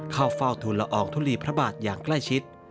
เข้าเฝ้าทุนละอองทุลีพระบาทอย่างใกล้ชิด